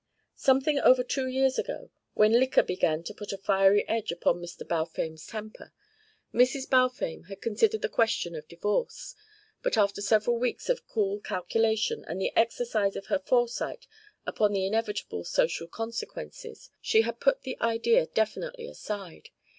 Something over two years ago when liquor began to put a fiery edge upon Mr. Balfame's temper Mrs. Balfame had considered the question of divorce; but after several weeks of cool calculation and the exercise of her foresight upon the inevitable social consequences, she had put the idea definitely aside.